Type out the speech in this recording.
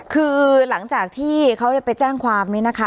คือหลังจากที่เขาไปแจ้งความนี้นะคะ